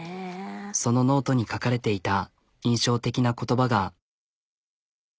そのノートに書かれていた印象的な言葉が。